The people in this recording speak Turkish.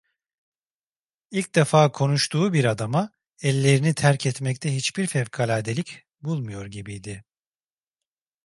İlk defa konuştuğu bir adama ellerini terk etmekte hiçbir fevkaladelik bulmuyor gibiydi.